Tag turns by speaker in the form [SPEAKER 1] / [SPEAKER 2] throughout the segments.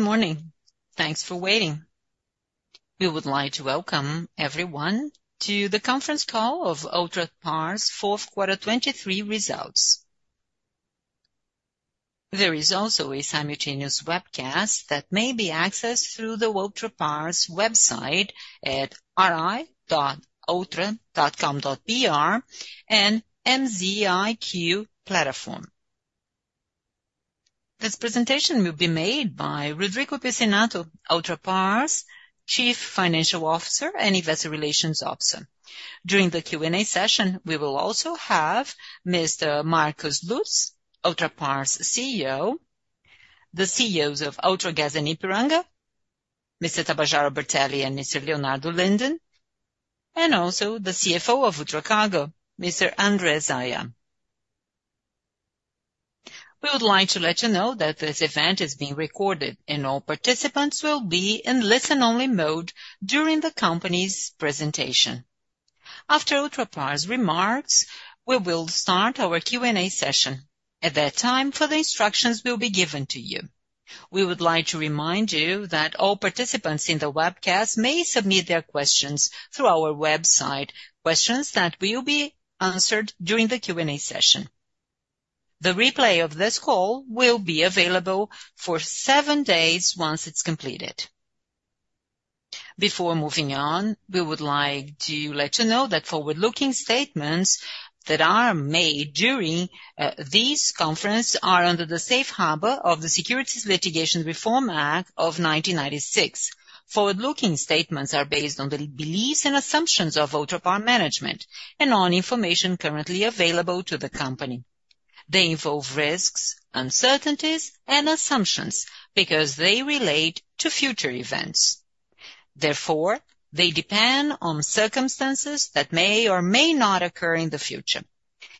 [SPEAKER 1] Good morning. Thanks for waiting. We would like to welcome everyone to the conference call of Ultrapar's fourth quarter 2023 results. There is also a simultaneous webcast that may be accessed through Ultrapar's website at ri.ultra.com.br and MZiQ platform. This presentation will be made by Rodrigo Pizzinatto, Ultrapar's Chief Financial Officer and Investor Relations Officer. During the Q&A session, we will also have Mr. Marcos Lutz, Ultrapar's CEO, the CEOs of Ultragaz and Ipiranga, Mr. Tabajara Bertelli, and Mr. Leonardo Linden, and also the CFO of Ultracargo, Mr. Andre Zaia. We would like to let you know that this event is being recorded, and all participants will be in listen-only mode during the company's presentation. After Ultrapar's remarks, we will start our Q&A session. At that time, the instructions will be given to you. We would like to remind you that all participants in the webcast may submit their questions through our website. Questions that will be answered during the Q&A session. The replay of this call will be available for seven days once it's completed. Before moving on, we would like to let you know that forward-looking statements that are made during this conference are under the Safe Harbor of the Securities Litigation Reform Act of 1996. Forward-looking statements are based on the beliefs and assumptions of Ultrapar management and on information currently available to the company. They involve risks, uncertainties, and assumptions because they relate to future events. Therefore, they depend on circumstances that may or may not occur in the future.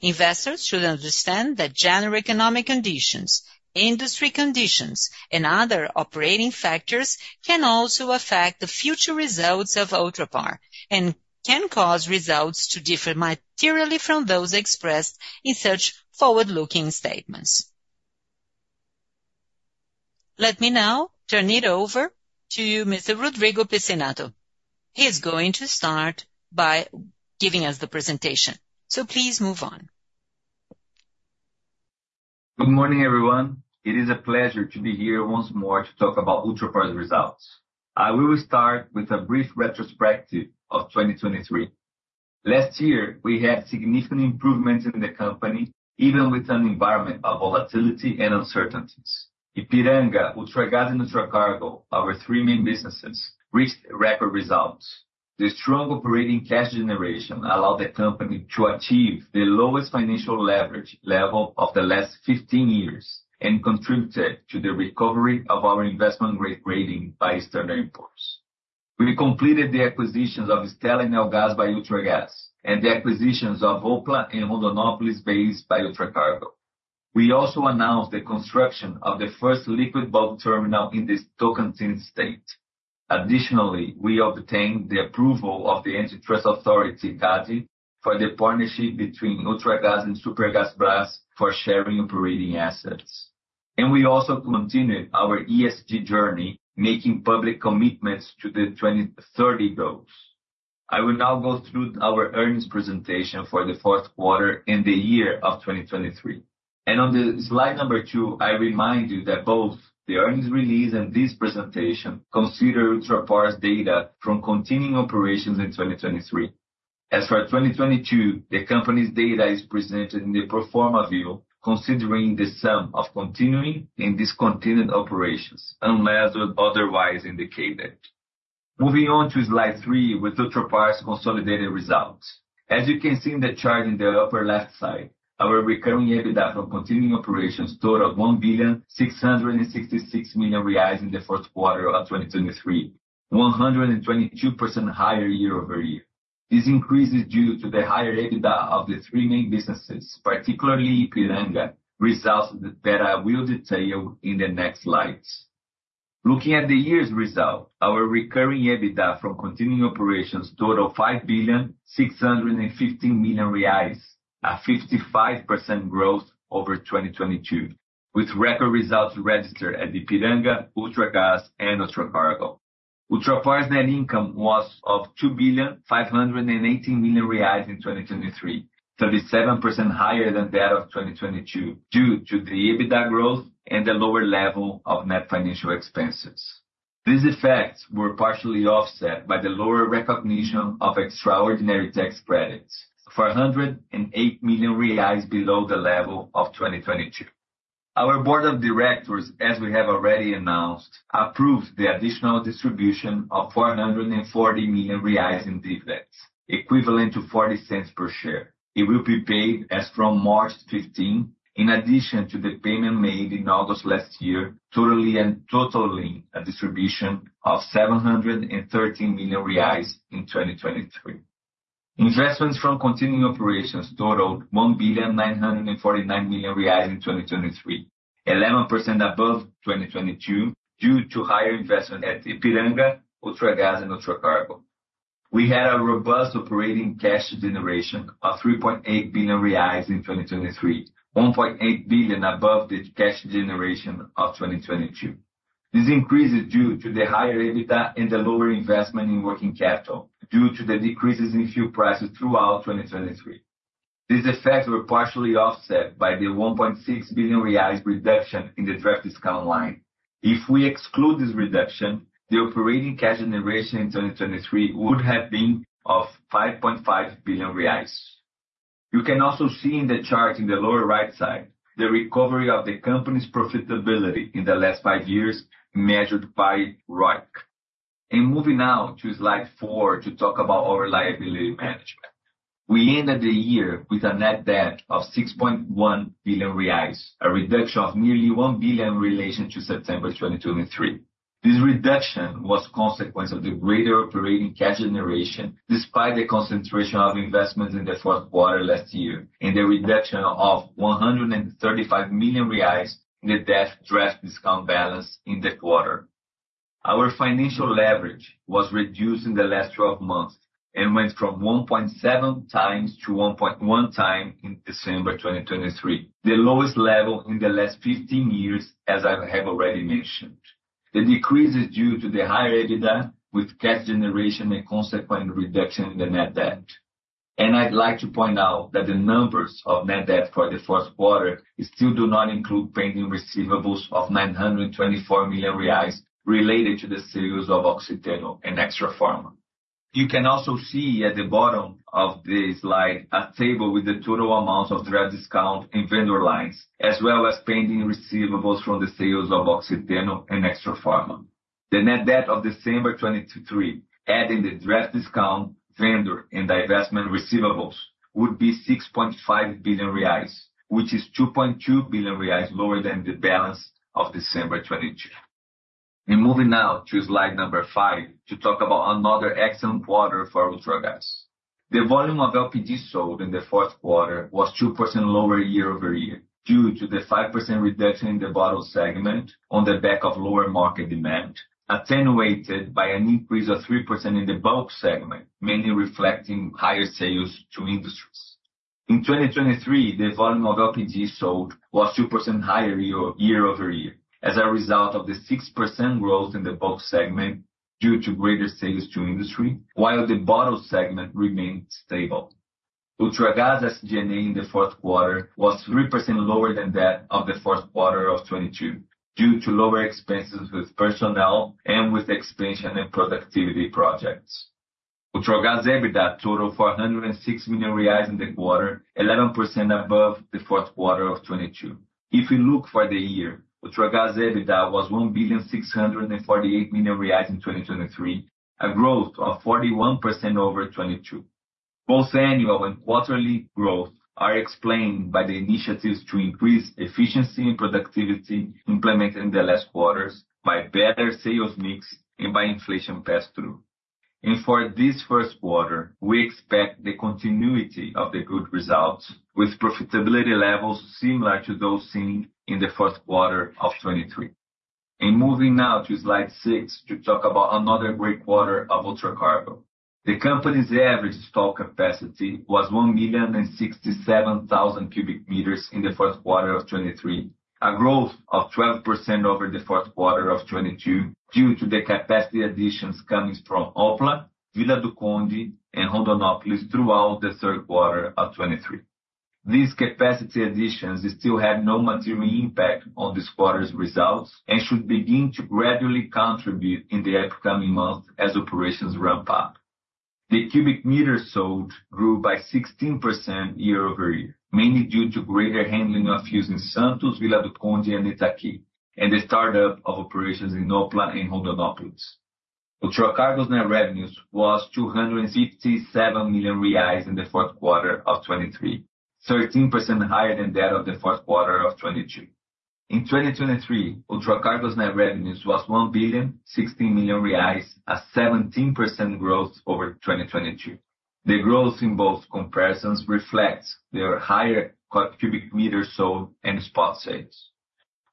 [SPEAKER 1] Investors should understand that general economic conditions, industry conditions, and other operating factors can also affect the future results of Ultrapar and can cause results to differ materially from those expressed in such forward-looking statements. Let me now turn it over to Mr. Rodrigo Pizzinatto. He's going to start by giving us the presentation, so please move on.
[SPEAKER 2] Good morning, everyone. It is a pleasure to be here once more to talk about Ultrapar's results. We will start with a brief retrospective of 2023. Last year, we had significant improvements in the company, even with an environment of volatility and uncertainties. Ipiranga, Ultragaz, and Ultracargo, our three main businesses, reached record results. The strong operating cash generation allowed the company to achieve the lowest financial leverage level of the last 15 years and contributed to the recovery of our investment grade rating by external imports. We completed the acquisitions of Stella and Neogás by Ultragaz and the acquisitions of Opla and Hidrolândia base by Ultracargo. We also announced the construction of the first liquid bulk terminal in the Tocantins state. Additionally, we obtained the approval of the Antitrust Authority CADE for the partnership between Ultragaz and Supergasbras for sharing operating assets. We also continued our ESG journey, making public commitments to the 2030 goals. I will now go through our earnings presentation for the fourth quarter and the year of 2023. On slide number two, I remind you that both the earnings release and this presentation consider Ultrapar's data from continuing operations in 2023. As for 2022, the company's data is presented in the pro forma view, considering the sum of continuing and discontinued operations, unless otherwise indicated. Moving on to slide three with Ultrapar's consolidated results. As you can see in the chart in the upper left side, our recurring EBITDA from continuing operations totaled 1,666,000,000 reais in the fourth quarter of 2023, 122% higher year-over-year. This increase is due to the higher EBITDA of the three main businesses, particularly Ipiranga, results that I will detail in the next slides. Looking at the year's result, our recurring EBITDA from continuing operations totaled 5,615,000,000 reais, a 55% growth over 2022, with record results registered at Ipiranga, Ultragaz, and Ultracargo. Ultrapar's net income was of 2,518,000,000 reais in 2023, 37% higher than that of 2022 due to the EBITDA growth and the lower level of net financial expenses. These effects were partially offset by the lower recognition of extraordinary tax credits, 408,000,000 reais below the level of 2022. Our board of directors, as we have already announced, approved the additional distribution of 440,000,000 reais in dividends, equivalent to 40 cents per share. It will be paid as from March 15, in addition to the payment made in August last year, totaling a distribution of 713,000,000 reais in 2023. Investments from continuing operations totaled 1,949,000,000 reais in 2023, 11% above 2022 due to higher investment at Ipiranga, Ultragaz, and Ultracargo. We had a robust operating cash generation of 3.8 billion reais in 2023, 1.8 billion above the cash generation of 2022. This increase is due to the higher EBITDA and the lower investment in working capital due to the decreases in fuel prices throughout 2023. These effects were partially offset by the 1.6 billion reais reduction in the draft discount line. If we exclude this reduction, the operating cash generation in 2023 would have been of 5.5 billion reais. You can also see in the chart in the lower right side the recovery of the company's profitability in the last five years measured by ROIC. Moving now to slide four to talk about our liability management. We ended the year with a net debt of 6.1 billion reais, a reduction of nearly 1 billion in relation to September 2023. This reduction was a consequence of the greater operating cash generation despite the concentration of investments in the fourth quarter last year and the reduction of 135,000,000 reais in the debt draft discount balance in that quarter. Our financial leverage was reduced in the last 12 months and went from 1.7 times to 1.1 times in December 2023, the lowest level in the last 15 years, as I have already mentioned. The decrease is due to the higher EBITDA with cash generation and consequent reduction in the net debt. I'd like to point out that the numbers of net debt for the fourth quarter still do not include pending receivables of 924,000,000 reais related to the sales of Oxiteno and Extrafarma. You can also see at the bottom of this slide a table with the total amounts of draft discount and vendor lines, as well as pending receivables from the sales of Oxiteno and Extrafarma. The net debt of December 2023, adding the draft discount, vendor, and investment receivables, would be 6.5 billion reais, which is 2.2 billion reais lower than the balance of December 2022. Moving now to slide number five to talk about another excellent quarter for Ultragaz. The volume of LPG sold in the fourth quarter was 2% lower year-over-year due to the 5% reduction in the bottle segment on the back of lower market demand, attenuated by an increase of 3% in the bulk segment, mainly reflecting higher sales to industries. In 2023, the volume of LPG sold was 2% higher year-over-year as a result of the 6% growth in the bulk segment due to greater sales to industry, while the bottle segment remained stable. Ultragaz SG&A in the fourth quarter was 3% lower than that of the fourth quarter of 2022 due to lower expenses with personnel and with expansion and productivity projects. Ultragaz EBITDA totaled 406 million reais in the quarter, 11% above the fourth quarter of 2022. If we look for the year, Ultragaz EBITDA was 1,648 million reais in 2023, a growth of 41% over 2022. Both annual and quarterly growth are explained by the initiatives to increase efficiency and productivity implemented in the last quarters by better sales mix and by inflation pass-through. For this first quarter, we expect the continuity of the good results with profitability levels similar to those seen in the fourth quarter of 2023. Moving now to slide six to talk about another great quarter of Ultracargo. The company's average stock capacity was 1,067,000 cubic meters in the fourth quarter of 2023, a growth of 12% over the fourth quarter of 2022 due to the capacity additions coming from Opla, Vila do Conde, and Hidrolândia throughout the third quarter of 2023. These capacity additions still have no material impact on this quarter's results and should begin to gradually contribute in the upcoming months as operations ramp up. The cubic meter sold grew by 16% year-over-year, mainly due to greater handling of fuels in Santos, Vila do Conde, and Itaqui, and the startup of operations in Opla and Hidrolândia. Ultracargo's net revenues were 257 million reais in the fourth quarter of 2023, 13% higher than that of the fourth quarter of 2022. In 2023, Ultracargo's net revenues were 1,016 million reais, a 17% growth over 2022. The growth in both comparisons reflects the higher cubic meter sold and spot sales.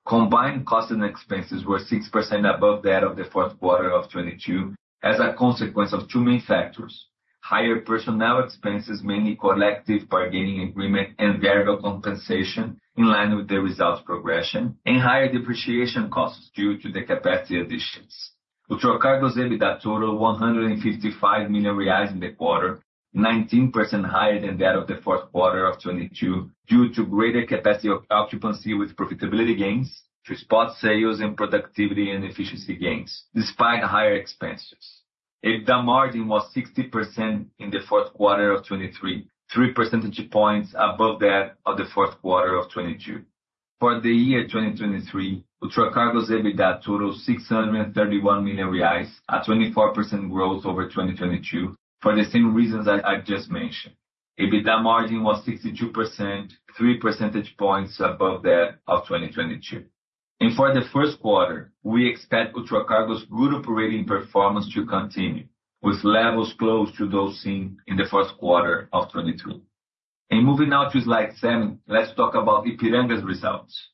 [SPEAKER 2] Combined costs and expenses were 6% above that of the fourth quarter of 2022 as a consequence of two main factors: higher personnel expenses, mainly collective bargaining agreement and variable compensation in line with the results progression, and higher depreciation costs due to the capacity additions. Ultracargo's EBITDA totaled 155 million reais in the quarter, 19% higher than that of the fourth quarter of 2022 due to greater capacity occupancy with profitability gains, spot sales, and productivity and efficiency gains despite higher expenses. EBITDA margin was 60% in the fourth quarter of 2023, three percentage points above that of the fourth quarter of 2022. For the year 2023, Ultracargo's EBITDA totaled 631,000,000 reais, a 24% growth over 2022 for the same reasons I just mentioned. EBITDA margin was 62%, three percentage points above that of 2022. For the first quarter, we expect Ultracargo's good operating performance to continue with levels close to those seen in the fourth quarter of 2023. Moving now to slide seven, let's talk about Ipiranga's results.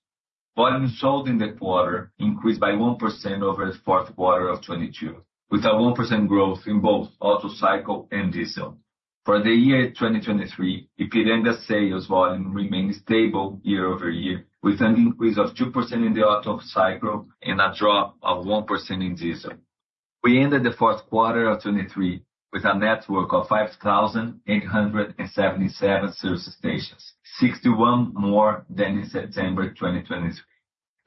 [SPEAKER 2] Volume sold in that quarter increased by 1% over the fourth quarter of 2022 with a 1% growth in both Otto cycle and diesel. For the year 2023, Ipiranga's sales volume remained stable year-over-year with an increase of 2% in the auto cycle and a drop of 1% in diesel. We ended the fourth quarter of 2023 with a network of 5,877 service stations, 61 more than in September 2023.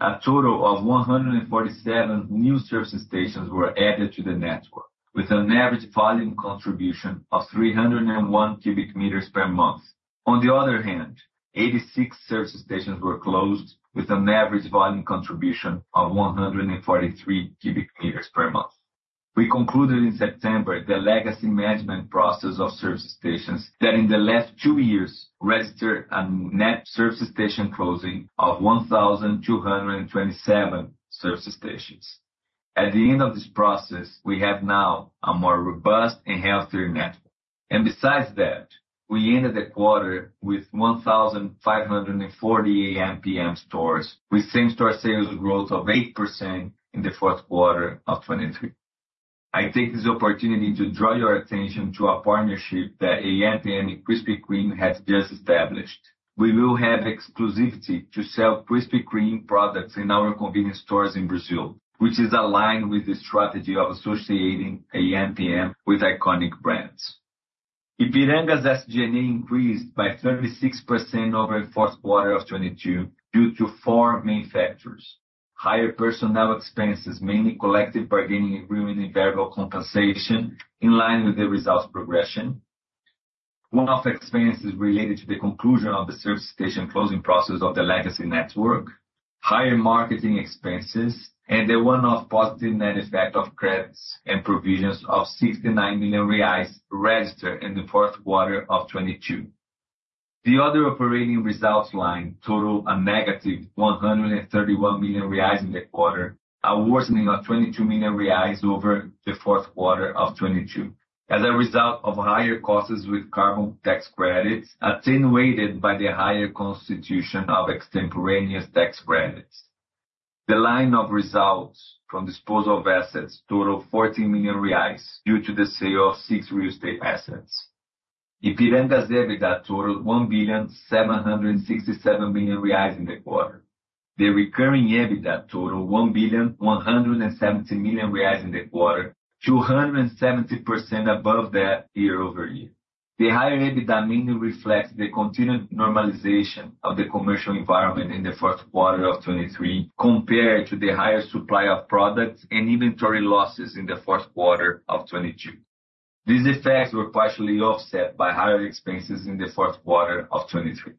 [SPEAKER 2] A total of 147 new service stations were added to the network with an average volume contribution of 301 cubic meters per month. On the other hand, 86 service stations were closed with an average volume contribution of 143 cubic meters per month. We concluded in September the legacy management process of service stations that in the last two years registered a net service station closing of 1,227 service stations. At the end of this process, we have now a more robust and healthier network. And besides that, we ended the quarter with 1,540 AmPm stores with same-store sales growth of 8% in the fourth quarter of 2023. I take this opportunity to draw your attention to a partnership that AmPm and Krispy Kreme have just established. We will have exclusivity to sell Krispy Kreme products in our convenience stores in Brazil, which is aligned with the strategy of associating AmPm with iconic brands. Ipiranga's SG&A increased by 36% over the fourth quarter of 2022 due to four main factors: higher personnel expenses, mainly collective bargaining agreement and variable compensation in line with the results progression. One-off expenses related to the conclusion of the service station closing process of the legacy network. Higher marketing expenses. And the one-off positive net effect of credits and provisions of 69 million reais registered in the fourth quarter of 2022. The other operating results line totaled a negative 131 million reais in that quarter, a worsening of 22 million reais over the fourth quarter of 2022 as a result of higher costs with carbon tax credits attenuated by the higher constitution of extemporaneous tax credits. The line of results from disposal of assets totaled 14,000,000 reais due to the sale of six real estate assets. Ipiranga's EBITDA totaled 1,767,000,000 reais in that quarter. The recurring EBITDA totaled 1,170,000,000 reais in that quarter, 270% above that year over year. The higher EBITDA mainly reflects the continued normalization of the commercial environment in the fourth quarter of 2023 compared to the higher supply of products and inventory losses in the fourth quarter of 2022. These effects were partially offset by higher expenses in the fourth quarter of 2023.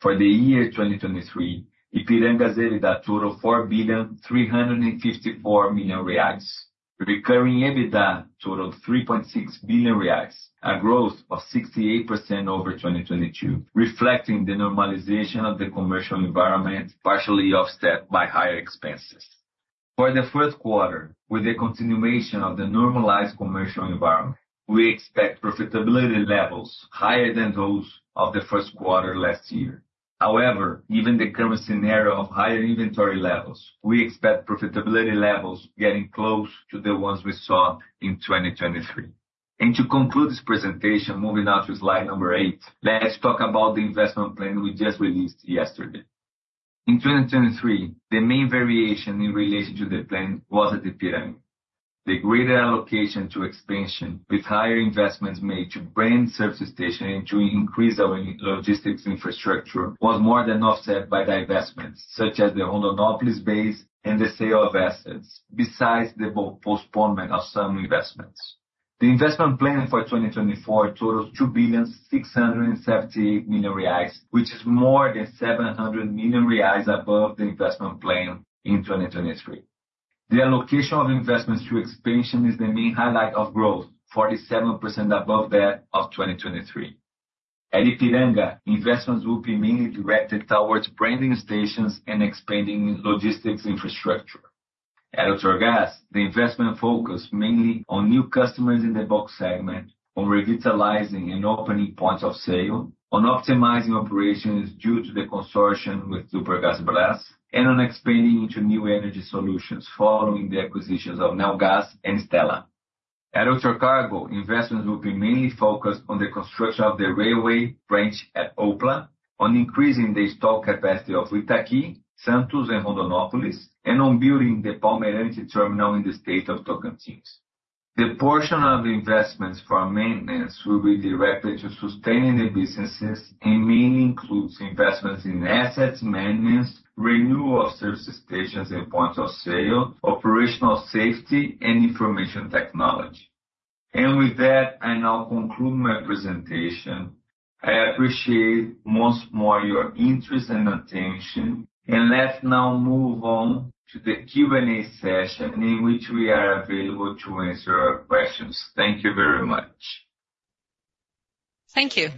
[SPEAKER 2] For the year 2023, Ipiranga's EBITDA totaled BRL 4,354,000,000. Recurring EBITDA totaled 3.6 billion, a growth of 68% over 2022 reflecting the normalization of the commercial environment partially offset by higher expenses. For the fourth quarter, with the continuation of the normalized commercial environment, we expect profitability levels higher than those of the first quarter last year. However, given the current scenario of higher inventory levels, we expect profitability levels getting close to the ones we saw in 2023. To conclude this presentation, moving now to slide number eight, let's talk about the investment plan we just released yesterday. In 2023, the main variation in relation to the plan was at Ipiranga. The greater allocation to expansion with higher investments made to brand service station and to increase our logistics infrastructure was more than offset by divestments such as the Hidrolândia base and the sale of assets besides the postponement of some investments. The investment plan for 2024 totaled 2,678,000,000 reais, which is more than 700,000,000 reais above the investment plan in 2023. The allocation of investments to expansion is the main highlight of growth, 47% above that of 2023. At Ipiranga, investments will be mainly directed towards branding stations and expanding logistics infrastructure. At Ultragaz, the investment focus mainly on new customers in the bulk segment, on revitalizing and opening points of sale, on optimizing operations due to the consortium with Supergasbras, and on expanding into new energy solutions following the acquisitions of Neogás and Stella. At Ultracargo, investments will be mainly focused on the construction of the railway branch at Opla, on increasing the stock capacity of Itaqui, Santos, and Hidrolândia, and on building the Palmas terminal in the state of Tocantins. The portion of investments for maintenance will be directed to sustaining the businesses and mainly includes investments in assets management, renewal of service stations and points of sale, operational safety, and information technology. With that, I now conclude my presentation. I appreciate once more your interest and attention, and let's now move on to the Q&A session in which we are available to answer questions. Thank you very much.
[SPEAKER 1] Thank you.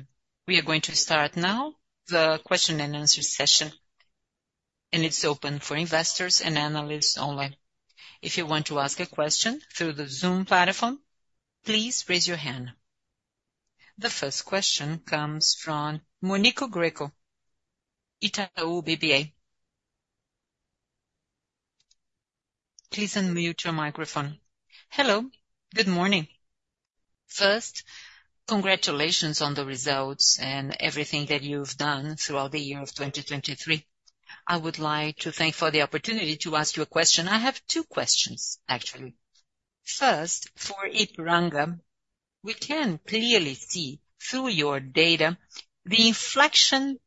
[SPEAKER 1] We are going to start now the question and answer session, and it's open for investors and analysts only. If you want to ask a question through the Zoom platform, please raise your hand. The first question comes from Monique Greco, Itaú BBA. Please unmute your microphone.
[SPEAKER 3] Hello. Good morning. First, congratulations on the results and everything that you've done throughout the year of 2023. I would like to thank you for the opportunity to ask you a question. I have two questions, actually. First, for Ipiranga, we can clearly see through your data the inflection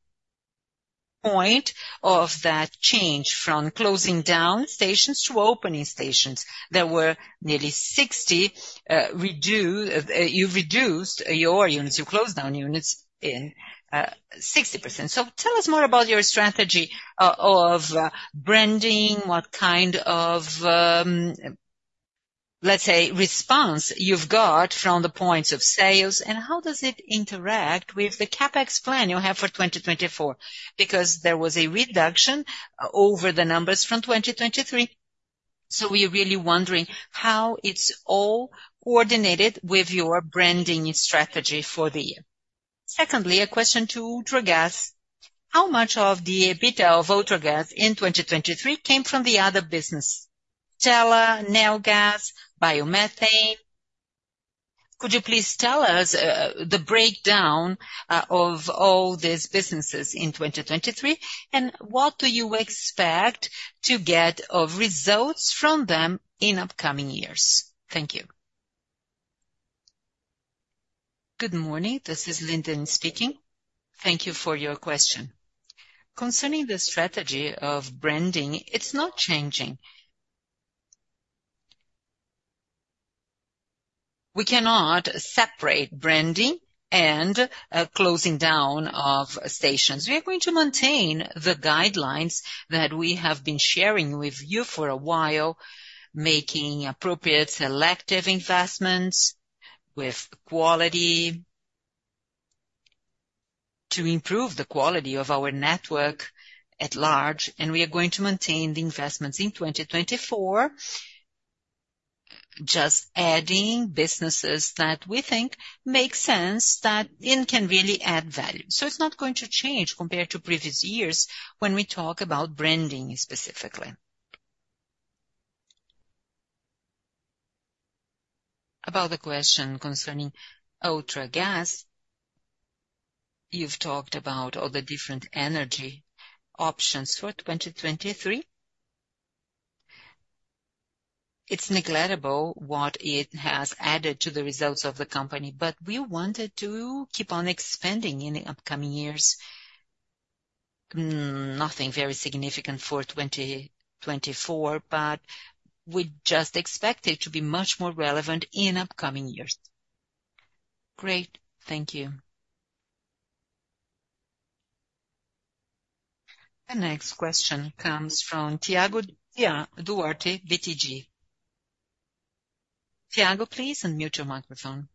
[SPEAKER 3] point of that change from closing down stations to opening stations. There were nearly 60 reduced. You reduced your units. You closed down units in 60%. So tell us more about your strategy of branding, what kind of, let's say, response you've got from the points of sales, and how does it interact with the CapEx plan you have for 2024 because there was a reduction over the numbers from 2023. So we are really wondering how it's all coordinated with your branding strategy for the year. Secondly, a question to Ultragaz. How much of the EBITDA of Ultragaz in 2023 came from the other businesses? Stella, Neogás, biomethane? Could you please tell us the breakdown of all these businesses in 2023, and what do you expect to get of results from them in upcoming years? Thank you.
[SPEAKER 4] Good morning. This is Linden speaking. Thank you for your question. Concerning the strategy of branding, it's not changing. We cannot separate branding and closing down of stations. We are going to maintain the guidelines that we have been sharing with you for a while, making appropriate selective investments to improve the quality of our network at large, and we are going to maintain the investments in 2024, just adding businesses that we think make sense and can really add value. So it's not going to change compared to previous years when we talk about branding specifically. About the question concerning Ultragaz, you've talked about all the different energy options for 2023. It's negligible what it has added to the results of the company, but we wanted to keep on expanding in the upcoming years. Nothing very significant for 2024, but we just expect it to be much more relevant in upcoming years.
[SPEAKER 3] Great. Thank you.
[SPEAKER 1] The next question comes from Thiago Duarte, BTG. Thiago, please, unmute your microphone.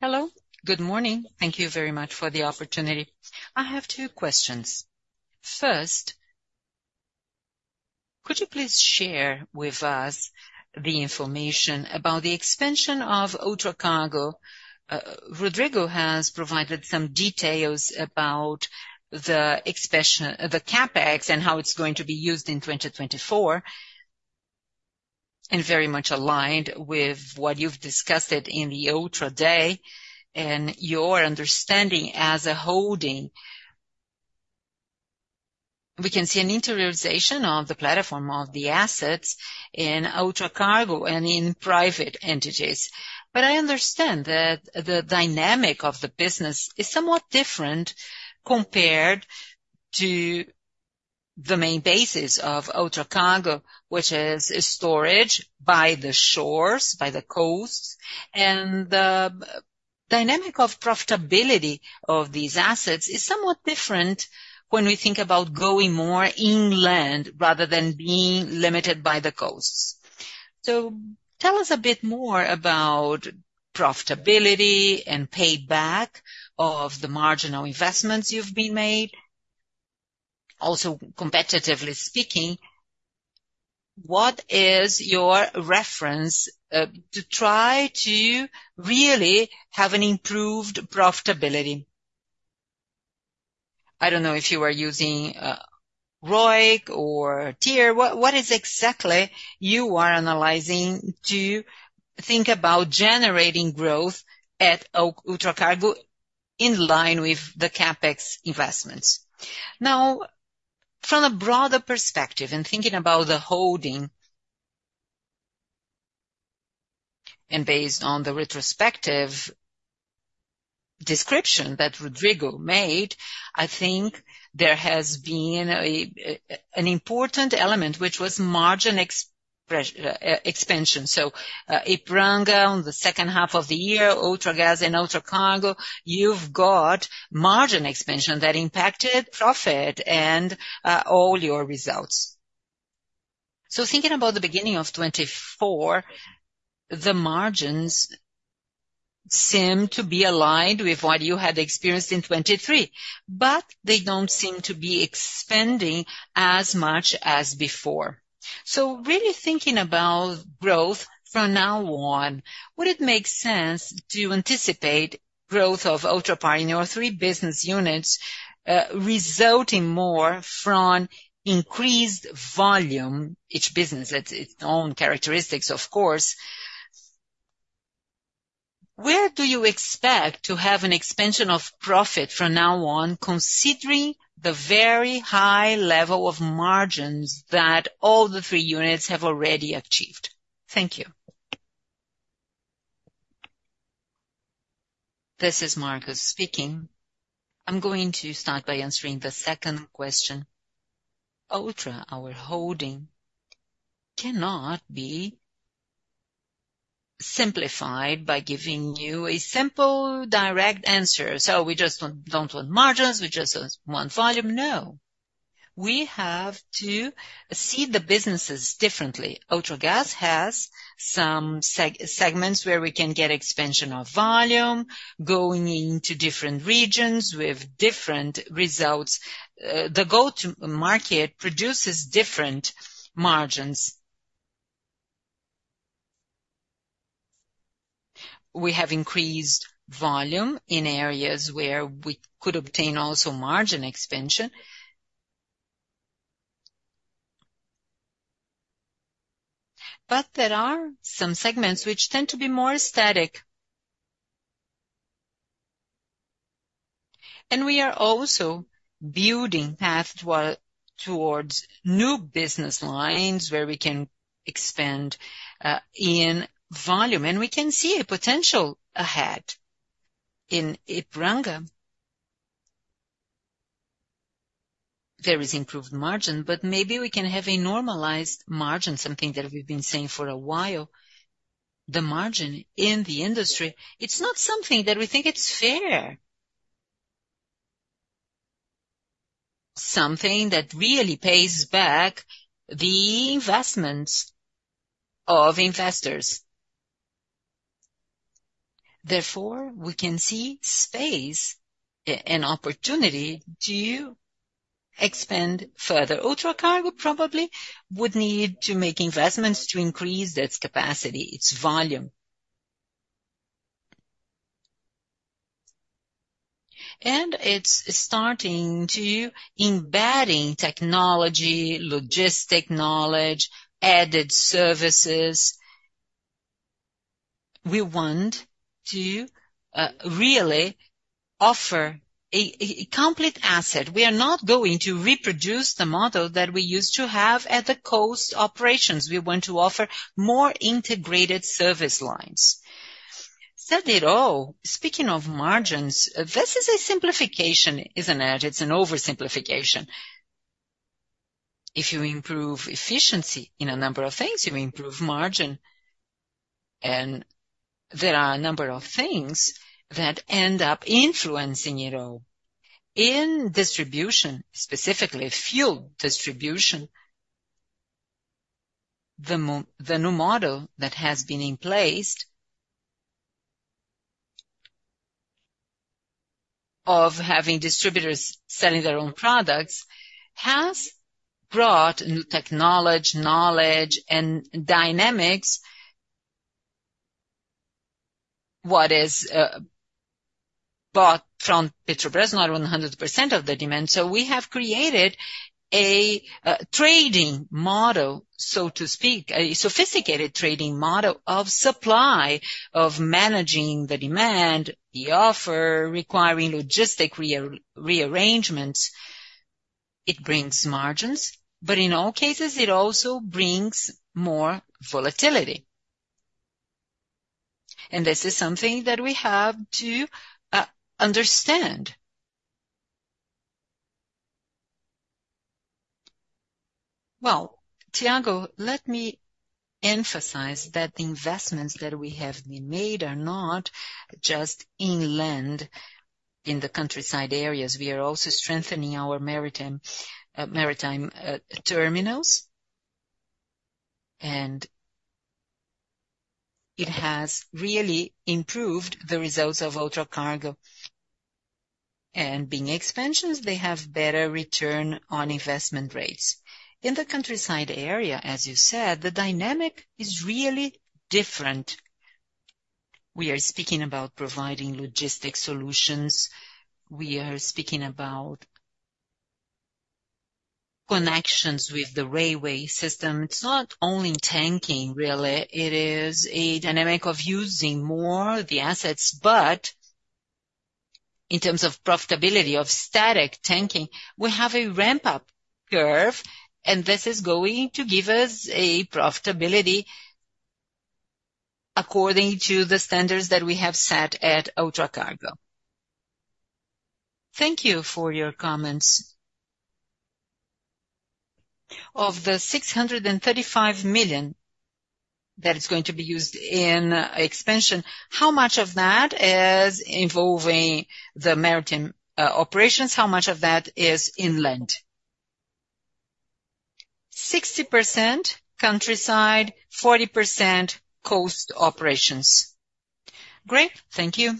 [SPEAKER 5] Hello. Good morning. Thank you very much for the opportunity. I have two questions. First, could you please share with us the information about the expansion of Ultracargo? Rodrigo has provided some details about the CapEx and how it's going to be used in 2024, and very much aligned with what you've discussed in the Ultra Day and your understanding as a holding. We can see an interiorization of the platform of the assets in Ultracargo and in private entities. But I understand that the dynamic of the business is somewhat different compared to the main basis of Ultracargo, which is storage by the shores, by the coasts, and the dynamic of profitability of these assets is somewhat different when we think about going more inland rather than being limited by the coasts. So tell us a bit more about profitability and payback of the marginal investments you've been made. Also, competitively speaking, what is your reference to try to really have an improved profitability? I don't know if you are using ROIC or IRR. What is it exactly you are analyzing to think about generating growth at Ultracargo in line with the CapEx investments? Now, from a broader perspective and thinking about the holding and based on the retrospective description that Rodrigo made, I think there has been an important element, which was margin expansion. So Ipiranga, on the second half of the year, Ultragaz and Ultracargo, you've got margin expansion that impacted profit and all your results. So thinking about the beginning of 2024, the margins seem to be aligned with what you had experienced in 2023, but they don't seem to be expanding as much as before. So really thinking about growth from now on, would it make sense to anticipate growth of Ultrapar's three business units resulting more from increased volume, each business, its own characteristics, of course? Where do you expect to have an expansion of profit from now on considering the very high level of margins that all the three units have already achieved?
[SPEAKER 6] Thank you. This is Marcos speaking. I'm going to start by answering the second question. Ultrapar, our holding, cannot be simplified by giving you a simple, direct answer. So we just don't want margins. We just want volume. No. We have to see the businesses differently. Ultragaz has some segments where we can get expansion of volume, going into different regions with different results. The go-to market produces different margins. We have increased volume in areas where we could obtain also margin expansion, but there are some segments which tend to be more static. We are also building paths towards new business lines where we can expand in volume. We can see a potential ahead in Ipiranga. There is improved margin, but maybe we can have a normalized margin, something that we've been saying for a while, the margin in the industry. It's not something that we think it's fair, something that really pays back the investments of investors. Therefore, we can see space and opportunity to expand further. Ultracargo probably would need to make investments to increase its capacity, its volume. It's starting to embed technology, logistic knowledge, added services. We want to really offer a complete asset. We are not going to reproduce the model that we used to have at the coast operations. We want to offer more integrated service lines. Said it all. Speaking of margins, this is a simplification, isn't it? It's an oversimplification. If you improve efficiency in a number of things, you improve margin. And there are a number of things that end up influencing it all. In distribution, specifically fuel distribution, the new model that has been in place of having distributors selling their own products has brought new technology, knowledge, and dynamics that is bought from Petrobras, not 100% of the demand. So we have created a trading model, so to speak, a sophisticated trading model of supply, of managing the demand, the offer, requiring logistic rearrangements. It brings margins, but in all cases, it also brings more volatility. And this is something that we have to understand. Well, Thiago, let me emphasize that the investments that we have been made are not just inland, in the countryside areas. We are also strengthening our maritime terminals, and it has really improved the results of Ultracargo. And being expansions, they have better return on investment rates. In the countryside area, as you said, the dynamic is really different. We are speaking about providing logistic solutions. We are speaking about connections with the railway system. It's not only tanking, really. It is a dynamic of using more of the assets. But in terms of profitability of static tanking, we have a ramp-up curve, and this is going to give us a profitability according to the standards that we have set at Ultracargo.
[SPEAKER 5] Thank you for your comments. Of the 635 million that is going to be used in expansion, how much of that is involving the maritime operations? How much of that is inland?
[SPEAKER 6] 60% countryside, 40% coast operations. Great. Thank you.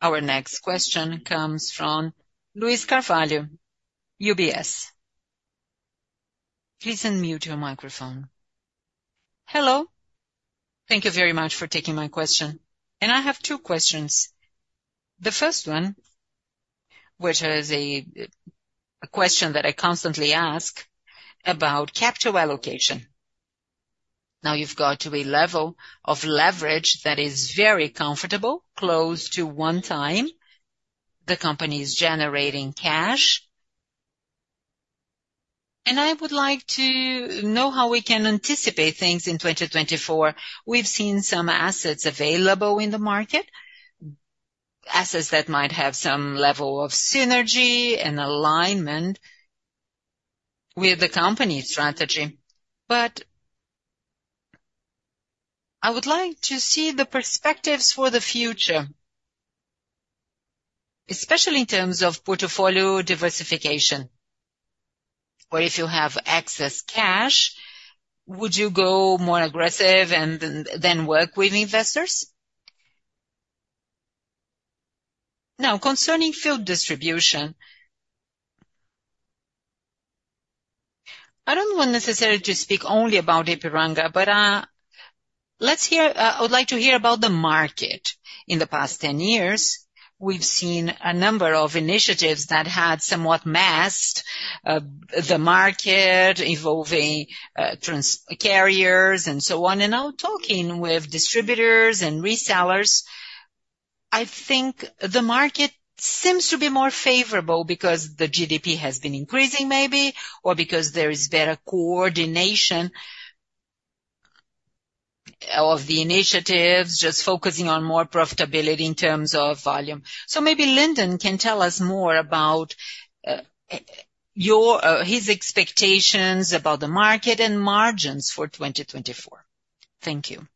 [SPEAKER 1] Our next question comes from Luiz Carvalho, UBS. Please unmute your microphone.
[SPEAKER 7] Hello. Thank you very much for taking my question. And I have two questions. The first one, which is a question that I constantly ask, about capital allocation. Now, you've got to a level of leverage that is very comfortable, close to one time. The company is generating cash. And I would like to know how we can anticipate things in 2024. We've seen some assets available in the market, assets that might have some level of synergy and alignment with the company's strategy. But I would like to see the perspectives for the future, especially in terms of portfolio diversification. Or if you have excess cash, would you go more aggressive and then work with investors?
[SPEAKER 6] Now, concerning fuel distribution, I don't want necessarily to speak only about Ipiranga, but I would like to hear about the market. In the past 10 years, we've seen a number of initiatives that had somewhat masked the market involving carriers and so on. And now, talking with distributors and resellers, I think the market seems to be more favorable because the GDP has been increasing, maybe, or because there is better coordination of the initiatives, just focusing on more profitability in terms of volume. So maybe Linden can tell us more about his expectations about the market and margins for 2024.
[SPEAKER 4] Thank you.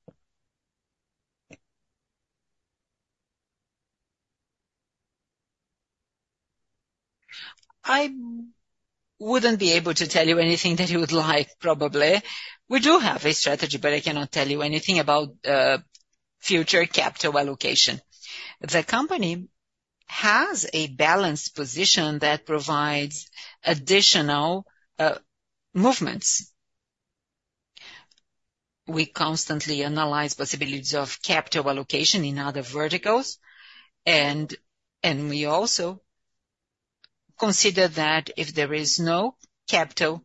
[SPEAKER 4] I wouldn't be able to tell you anything that you would like, probably. We do have a strategy, but I cannot tell you anything about future capital allocation. The company has a balanced position that provides additional movements. We constantly analyze possibilities of capital allocation in other verticals. We also consider that if there is no capital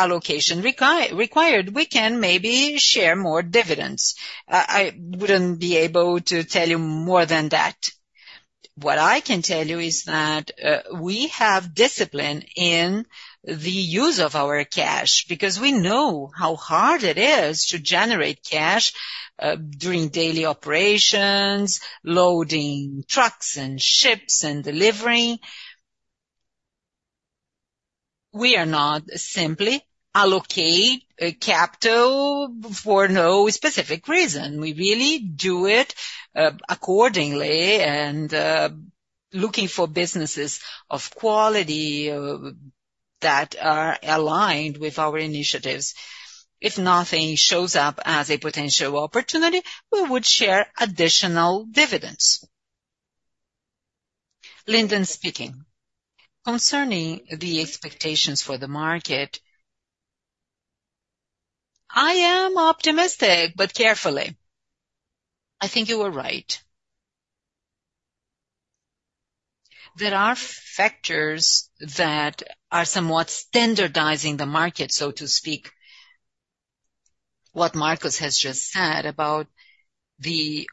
[SPEAKER 4] allocation required, we can maybe share more dividends. I wouldn't be able to tell you more than that. What I can tell you is that we have discipline in the use of our cash because we know how hard it is to generate cash during daily operations, loading trucks and ships and delivering. We are not simply allocating capital for no specific reason. We really do it accordingly and looking for businesses of quality that are aligned with our initiatives. If nothing shows up as a potential opportunity, we would share additional dividends. Linden speaking. Concerning the expectations for the market, I am optimistic, but carefully. I think you are right. There are factors that are somewhat standardizing the market, so to speak, what Marcos has just said about the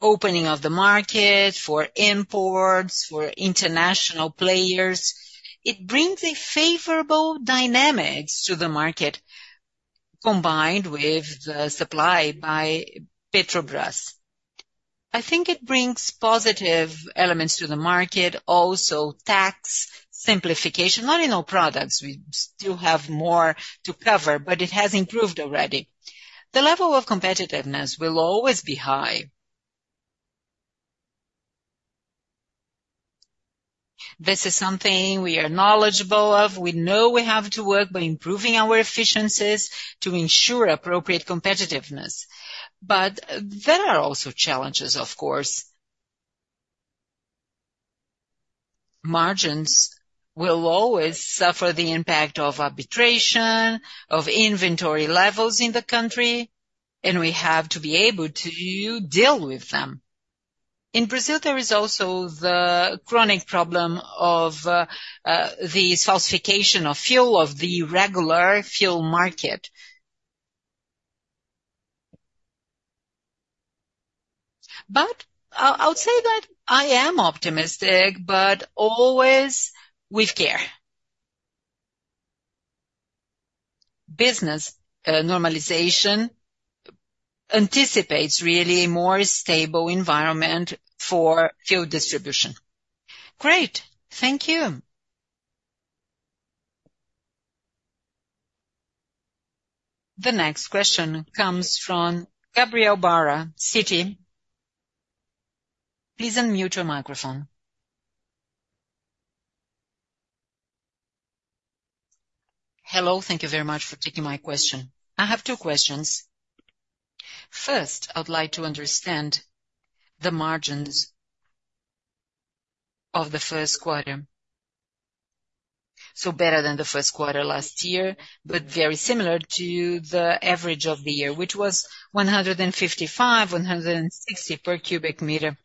[SPEAKER 4] opening of the market for imports, for international players. It brings a favorable dynamic to the market combined with the supply by Petrobras. I think it brings positive elements to the market, also tax simplification. Not in all products. We still have more to cover, but it has improved already. The level of competitiveness will always be high. This is something we are knowledgeable of. We know we have to work by improving our efficiencies to ensure appropriate competitiveness. But there are also challenges, of course. Margins will always suffer the impact of arbitration, of inventory levels in the country, and we have to be able to deal with them. In Brazil, there is also the chronic problem of the falsification of fuel of the regular fuel market. But I would say that I am optimistic, but always with care. Business normalization anticipates really a more stable environment for fuel distribution.
[SPEAKER 7] Great. Thank you.
[SPEAKER 1] The next question comes from Gabriel Barra, Citi. Please unmute your microphone.
[SPEAKER 8] Hello. Thank you very much for taking my question. I have two questions. First, I would like to understand the margins of the first quarter. So better than the first quarter last year, but very similar to the average of the year, which was 155-160 per cubic meter.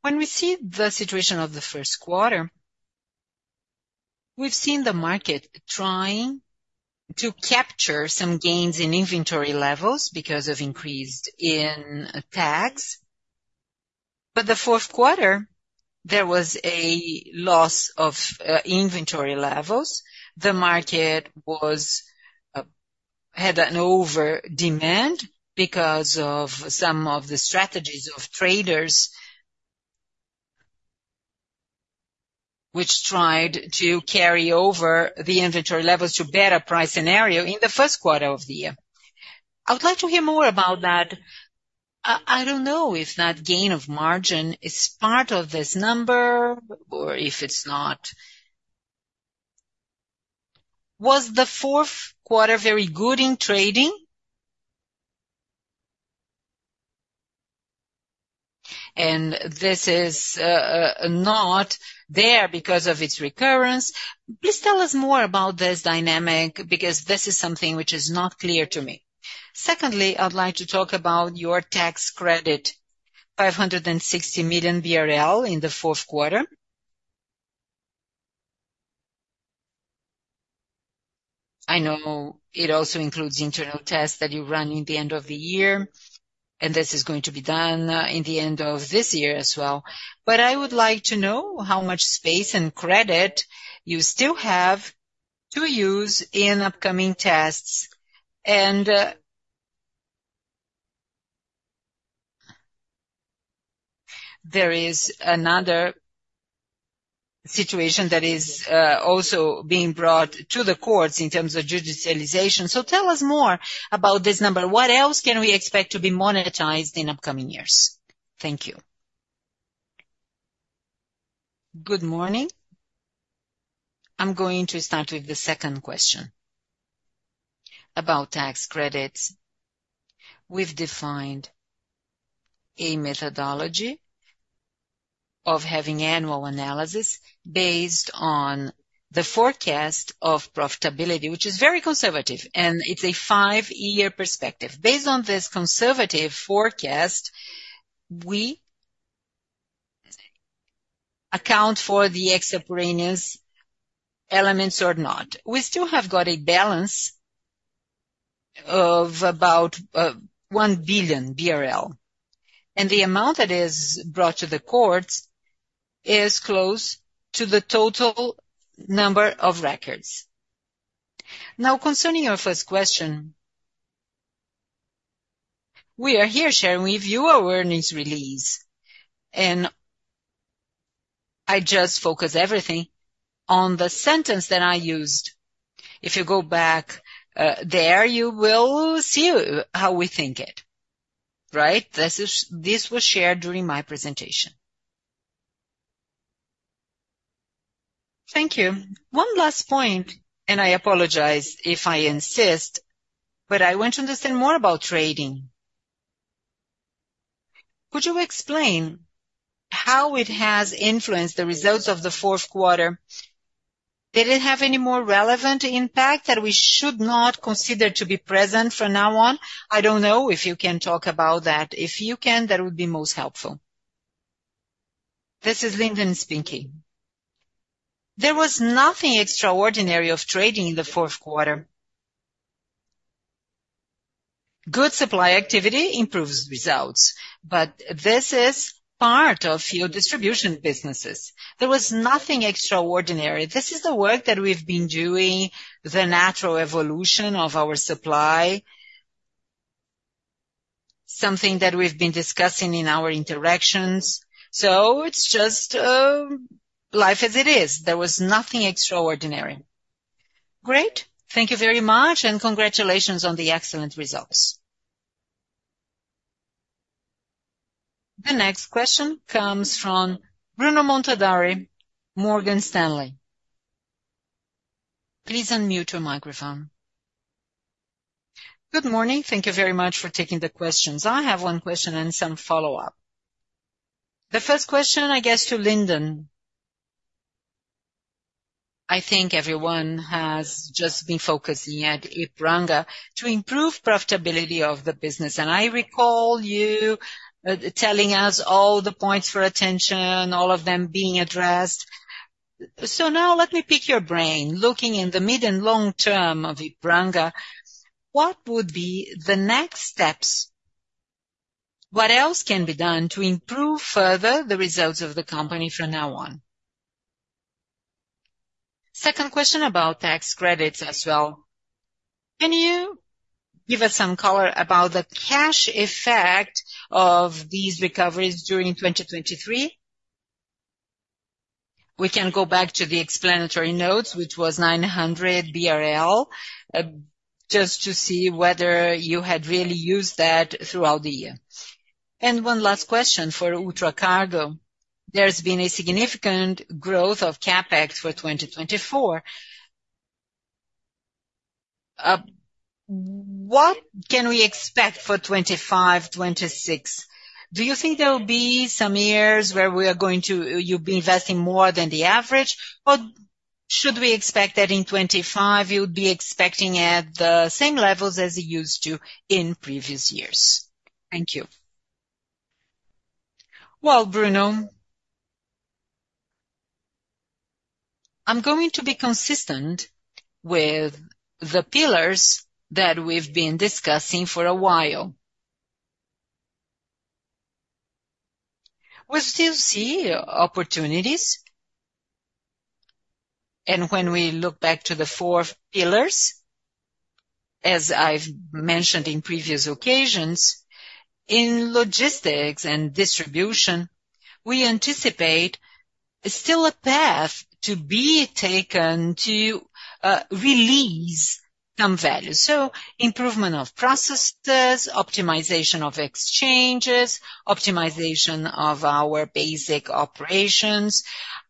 [SPEAKER 8] When we see the situation of the first quarter, we've seen the market trying to capture some gains in inventory levels because of increase in tags. But the fourth quarter, there was a loss of inventory levels. The market had an over-demand because of some of the strategies of traders which tried to carry over the inventory levels to better price scenario in the first quarter of the year. I would like to hear more about that. I don't know if that gain of margin is part of this number or if it's not. Was the fourth quarter very good in trading? And this is not there because of its recurrence. Please tell us more about this dynamic because this is something which is not clear to me. Secondly, I would like to talk about your tax credit, 560 million BRL, in the fourth quarter. I know it also includes internal tests that you run in the end of the year, and this is going to be done in the end of this year as well. But I would like to know how much space and credit you still have to use in upcoming tests. And there is another situation that is also being brought to the courts in terms of judicialization. So tell us more about this number. What else can we expect to be monetized in upcoming years?
[SPEAKER 2] Thank you. Good morning. I'm going to start with the second question about tax credits. We've defined a methodology of having annual analysis based on the forecast of profitability, which is very conservative, and it's a five-year perspective. Based on this conservative forecast, we account for the extemporaneous elements or not. We still have got a balance of about 1 billion BRL. And the amount that is brought to the courts is close to the total number of records. Now, concerning your first question, we are here sharing with you our earnings release. I just focused everything on the sentence that I used. If you go back there, you will see how we think it, right? This was shared during my presentation.
[SPEAKER 8] Thank you. One last point, and I apologize if I insist, but I want to understand more about trading. Could you explain how it has influenced the results of the fourth quarter? Did it have any more relevant impact that we should not consider to be present from now on? I don't know if you can talk about that. If you can, that would be most helpful.
[SPEAKER 4] This is Linden speaking. There was nothing extraordinary of trading in the fourth quarter. Good supply activity improves results, but this is part of fuel distribution businesses. There was nothing extraordinary. This is the work that we've been doing, the natural evolution of our supply, something that we've been discussing in our interactions. It's just life as it is. There was nothing extraordinary.
[SPEAKER 8] Great. Thank you very much, and congratulations on the excellent results.
[SPEAKER 1] The next question comes from Bruno Montanari, Morgan Stanley. Please unmute your microphone.
[SPEAKER 9] Good morning. Thank you very much for taking the questions. I have one question and some follow-up. The first question, I guess, to Linden. I think everyone has just been focusing at Ipiranga to improve profitability of the business. I recall you telling us all the points for attention, all of them being addressed. Now, let me pick your brain. Looking in the mid and long term of Ipiranga, what would be the next steps? What else can be done to improve further the results of the company from now on? Second question about tax credits as well. Can you give us some color about the cash effect of these recoveries during 2023? We can go back to the explanatory notes, which was 900 BRL, just to see whether you had really used that throughout the year. One last question for Ultracargo. There's been a significant growth of CapEx for 2024. What can we expect for 2025, 2026? Do you think there will be some years where you'll be investing more than the average, or should we expect that in 2025 you'd be expecting at the same levels as you used to in previous years?
[SPEAKER 4] Thank you. Well, Bruno, I'm going to be consistent with the pillars that we've been discussing for a while. We still see opportunities. And when we look back to the four pillars, as I've mentioned in previous occasions, in logistics and distribution, we anticipate still a path to be taken to release some value. So improvement of processes, optimization of exchanges, optimization of our basic operations.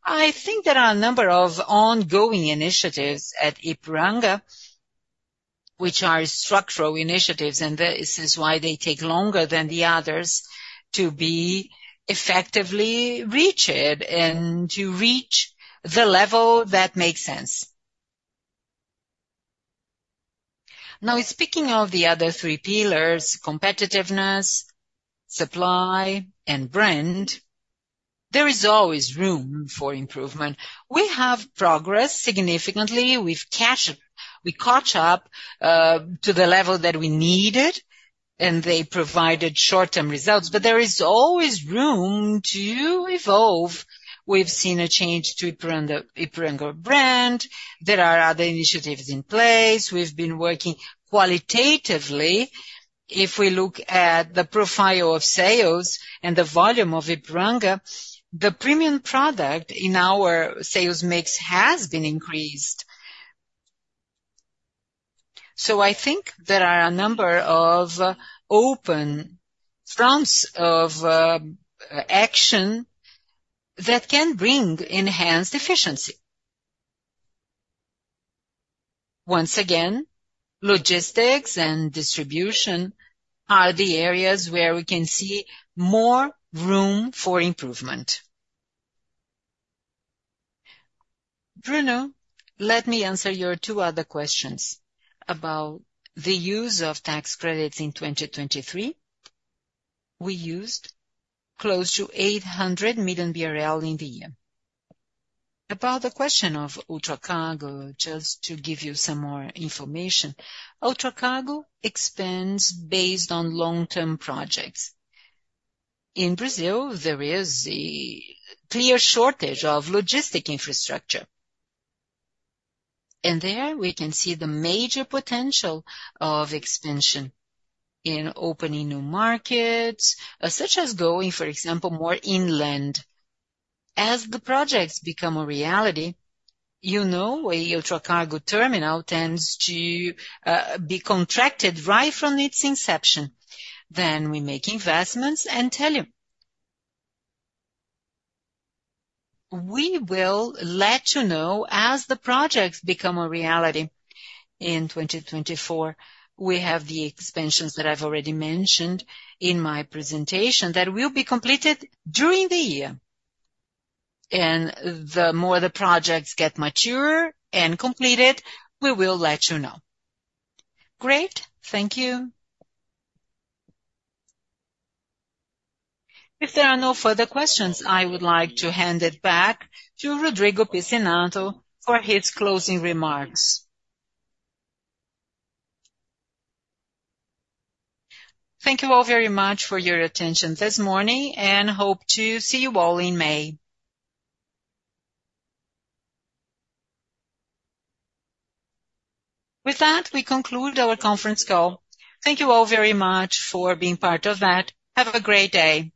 [SPEAKER 4] I think there are a number of ongoing initiatives at Ipiranga which are structural initiatives, and this is why they take longer than the others to be effectively reached and to reach the level that makes sense. Now, speaking of the other three pillars, competitiveness, supply, and brand, there is always room for improvement. We have progressed significantly. We caught up to the level that we needed, and they provided short-term results. But there is always room to evolve. We've seen a change to Ipiranga brand. There are other initiatives in place. We've been working qualitatively. If we look at the profile of sales and the volume of Ipiranga, the premium product in our sales mix has been increased. So I think there are a number of open fronts of action that can bring enhanced efficiency. Once again, logistics and distribution are the areas where we can see more room for improvement. Bruno, let me answer your two other questions about the use of tax credits in 2023. We used close to 800 million BRL in the year. About the question of Ultracargo, just to give you some more information, Ultracargo expands based on long-term projects. In Brazil, there is a clear shortage of logistic infrastructure. And there, we can see the major potential of expansion in opening new markets such as going, for example, more inland. As the projects become a reality, you know a Ultracargo terminal tends to be contracted right from its inception. Then we make investments and tell you. We will let you know as the projects become a reality in 2024. We have the expansions that I've already mentioned in my presentation that will be completed during the year. The more the projects get mature and completed, we will let you know.
[SPEAKER 9] Great. Thank you. If there are no further questions, I would like to hand it back to Rodrigo Pizzinatto for his closing remarks.
[SPEAKER 2] Thank you all very much for your attention this morning, and hope to see you all in May. With that, we conclude our conference call. Thank you all very much for being part of that. Have a great day.